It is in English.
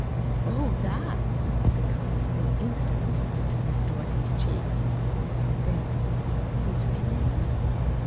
"Oh, THAT!" The color flew instantly into Miss Dorothy's cheeks. "Then he's he's written you?"